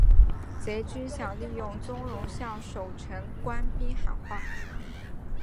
贼军想利用宗龙向守城官兵喊话。